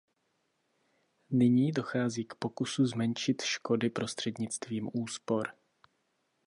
Nyní dochází k pokusu zmenšit škody prostřednictvím úspor.